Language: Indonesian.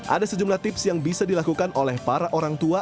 ada sejumlah tips yang bisa dilakukan oleh para orang tua